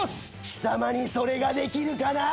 貴様にそれができるかな？